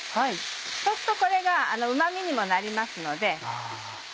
そうするとこれがうま味にもなりますので。